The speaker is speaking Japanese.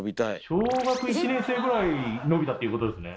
小学１年生ぐらい伸びたっていうことですね。